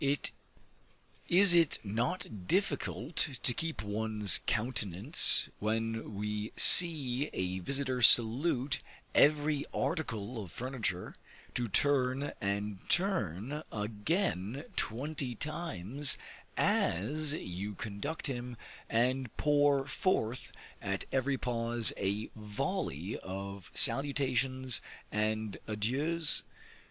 Is it not difficult to keep one's countenance, when we see a visiter salute every article of furniture, to turn and turn again twenty times as you conduct him, and pour forth at every pause a volley of salutations and adieus?